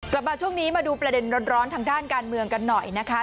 กลับมาช่วงนี้มาดูประเด็นร้อนทางด้านการเมืองกันหน่อยนะคะ